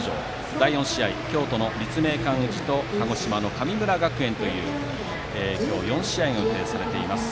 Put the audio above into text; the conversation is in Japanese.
第４試合、京都の立命館宇治と鹿児島の神村学園という今日４試合が予定されています。